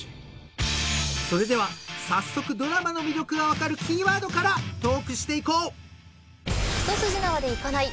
［それでは早速ドラマの魅力が分かるキーワードからトークしていこう］